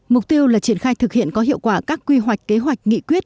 mục tiêu là triển khai thực hiện có hiệu quả các quy hoạch kế hoạch nghị quyết